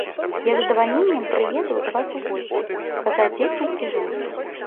Я з задавальненнем прыеду да вас у госці, паказаць дзецям і жонцы.